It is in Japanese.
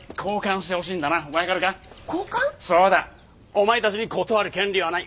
お前たちに断る権利はない。